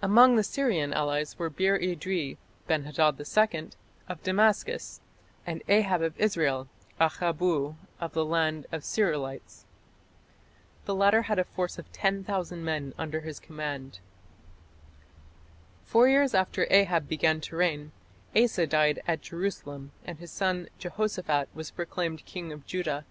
Among the Syrian allies were Bir idri (Ben hadad II) of Damascus, and Ahab of Israel ("Akhabbu of the land of the Sir'ilites"). The latter had a force of 10,000 men under his command. Four years after Ahab began to reign, Asa died at Jerusalem and his son Jehoshaphat was proclaimed king of Judah.